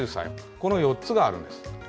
この４つがあるんです。